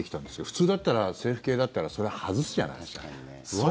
普通だったら政府系だったらそれは外すじゃないですか。